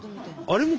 あれ。